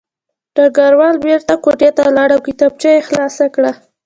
ډګروال بېرته کوټې ته لاړ او کتابچه یې خلاصه کړه